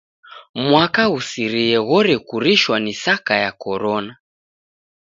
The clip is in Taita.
Mwaka ghusirie ghorekurishwa ni saka ya Korona.